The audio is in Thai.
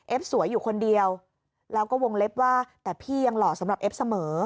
สวยอยู่คนเดียวแล้วก็วงเล็บว่าแต่พี่ยังหล่อสำหรับเอฟเสมอ